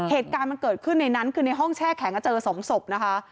เหตุการณ์มันเกิดขึ้นในนั้นคือในห้องแช่แข็งเจอสองศพนะคะ